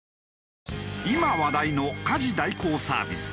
今話題の家事代行サービス